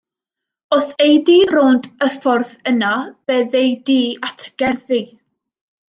Os ei di rownd y ffordd yna fe ddei di at y gerddi.